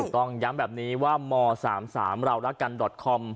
ถูกต้องย้ำแบบนี้ว่าม๓๓เรารักกันคม